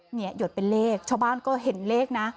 หยดเป็นเลขชาวบ้านก็เห็นเลขนะ